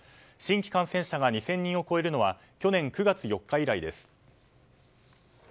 新規感染者が２０００人を超えるのは去年９月４日以来です。